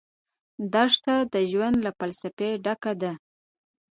دښته د ژوند له فلسفې ډکه ده.